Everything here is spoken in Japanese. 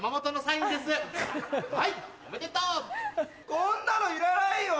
こんなのいらないよ！